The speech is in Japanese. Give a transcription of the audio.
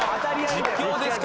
実況ですから。